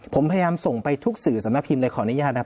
ผมพยายามส่งไปทุกสื่อสำนักพิมพ์เลยขออนุญาตนะครับ